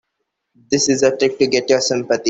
This is a trick to get your sympathy.